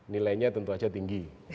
nilainya tentu saja tinggi